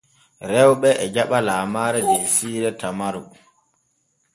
Rewɓe e jaɓa lamaare der siire Tamaru.